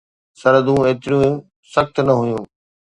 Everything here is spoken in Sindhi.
سرحدون ايتريون سخت نه هيون.